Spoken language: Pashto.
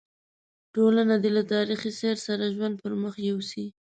ټولنه دې له تاریخي سیر سره ژوند پر مخ یوسي.